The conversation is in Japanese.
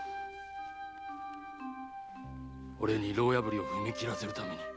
俺に牢破りを踏み切らせるために。